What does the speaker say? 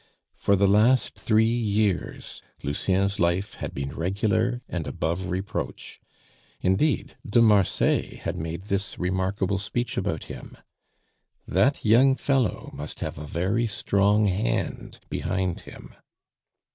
For the last three years Lucien's life had been regular and above reproach; indeed, de Marsay had made this remarkable speech about him: "That young fellow must have a very strong hand behind him."